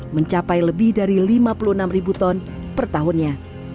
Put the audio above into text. mencapai lebih dari lima puluh enam ribu ton per tahunnya